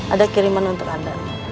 ada kiriman untuk anda